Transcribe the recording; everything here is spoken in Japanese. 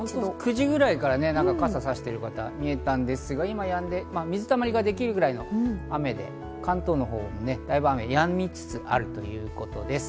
９時ぐらいから傘を差している方が見えたんですが、今はやんで、水たまりができるくらいの雨、関東のほうも、だいぶ雨がやみつつあるということです。